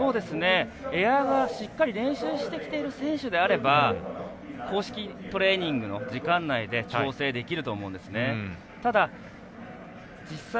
エアがしっかり練習してきてる選手であれば公式トレーニングの時間内で調整できると思うんですね。